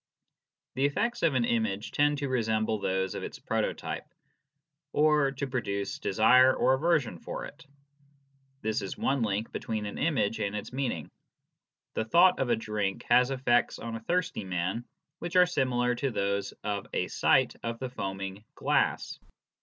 The effects of an image tend to resemble those of its proto type, or to produce desire or aversion for it. This is one link between an image and its meaning. The thought of a drink has effects on a thirsty man which are similar to those of a sight of the foaming glass.